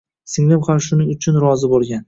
Singlim ham shuning uchun rozi bo`lgan